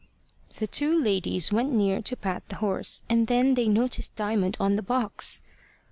The two ladies went near to pat the horse, and then they noticed Diamond on the box.